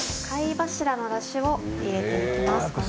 貝柱のダシを入れていきます